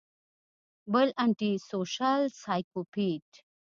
بل انټي سوشل سايکوپېت